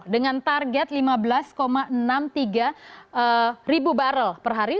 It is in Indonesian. dengan target lima belas enam puluh tiga ribu barrel per hari